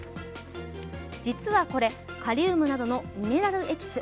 実はこれ、カリウムなどのミネラルエキス。